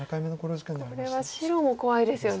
これは白も怖いですよね。